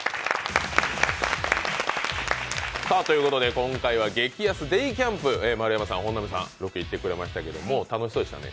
今回は激安デイキャンプ、丸山さん、本並さんロケ行ってくださいましたけど楽しそうでしたね。